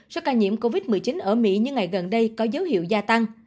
do ca nhiễm covid một mươi chín ở mỹ như ngày gần đây có dấu hiệu gia tăng